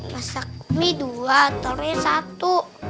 masak kumi dua telurnya satu